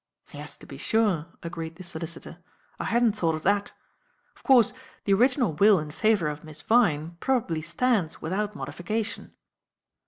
"Yes, to be sure," agreed the solicitor. "I hadn't thought of that. Of course, the original will in favour of Miss Vyne probably stands without modification."